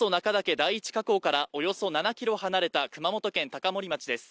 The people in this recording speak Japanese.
第１火口からおよそ７キロ離れた熊本県高森町です